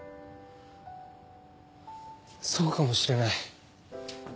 そうかもしれない。